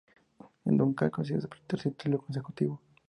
El Dundalk consiguió su tercer título consecutivo.